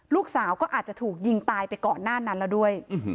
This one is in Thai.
ลูกสาวก็อาจจะถูกยิงตายไปก่อนหน้านั้นแล้วด้วย